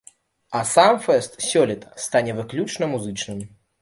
А сам фэст сёлета стане выключна музычным.